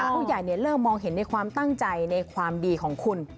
ผู้ใหญ่เริ่มมองเห็นในความตั้งใจในความดีของคุณ